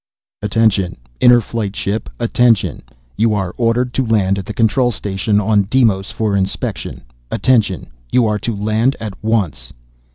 _ "Attention, Inner Flight ship! Attention! You are ordered to land at the Control Station on Deimos for inspection. Attention! You are to land at once!"